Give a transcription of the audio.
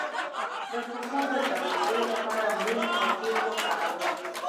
د پښو د چاودیدو لپاره موم او تېل وکاروئ